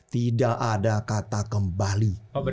tidak ada kata kembali